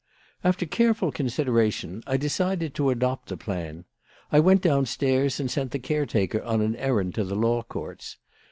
"After careful consideration, I decided to adopt the plan. I went downstairs and sent the caretaker on an errand to the Law Courts.